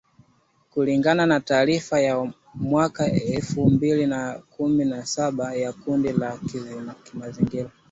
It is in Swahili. kulingana na taarifa ya mwaka elfu mbili na kumi saba ya kundi la kimazingira